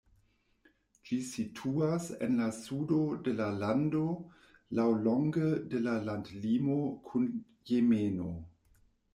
Ĝi situas en la sudo de la lando laŭlonge de la landlimo kun Jemeno.